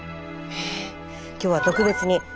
えっ！